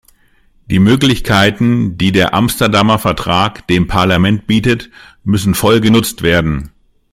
Die Möglichkeiten, die der Amsterdamer Vertrag dem Parlament bietet, müssen voll genutzt werden.